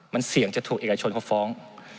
มันเสี่ยงจะถูกเอกชนเขาฟ้อง